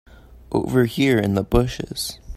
Over here in the bushes.